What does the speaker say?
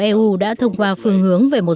eu đã thông qua phương hướng về một